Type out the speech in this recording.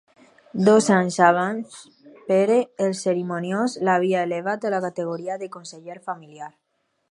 Dos anys abans Pere el Cerimoniós l'havia elevat a la categoria de conseller familiar.